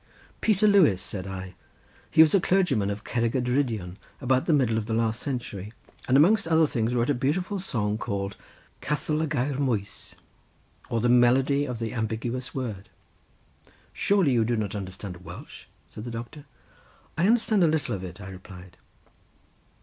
"Peter Lewis," said I; "he was a clergyman of Cerrig y Drudion about the middle of the last century, and amongst other things wrote a beautiful song called 'Cathl y Gair Mwys,' or the melody of the ambiguous word." "Surely you do not understand Welsh?" said the doctor. "I understand a little of it," I replied.